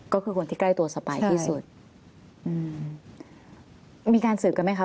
ก็คือคนที่ใกล้ตัวสปายที่สุดอืมมีการสืบกันไหมคะ